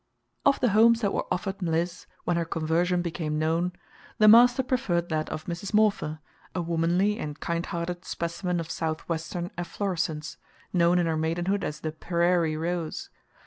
Of the homes that were offered Mliss when her conversion became known, the master preferred that of Mrs. Morpher, a womanly and kindhearted specimen of Southwestern efflorescence, known in her maidenhood as the "Per rairie Rose."